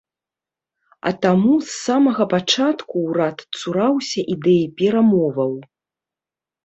А таму з самага пачатку ўрад цураўся ідэі перамоваў.